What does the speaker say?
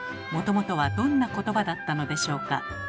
もともとはどんなことばだったのでしょうか？